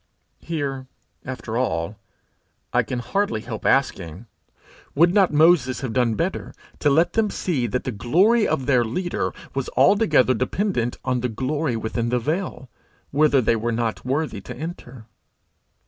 Here, after all, I can hardly help asking Would not Moses have done better to let them see that the glory of their leader was altogether dependent on the glory within the veil, whither they were not worthy to enter?